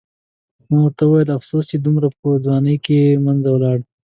ما ورته وویل: افسوس چې دومره په ځوانۍ کې له منځه ولاړ.